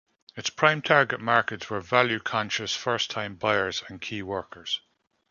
Its prime target markets were value-conscious first time buyers and key workers.